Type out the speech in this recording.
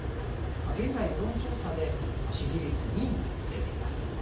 現在、世論調査で支持率２位につけています。